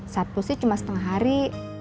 sabtu sih cuma setengah hari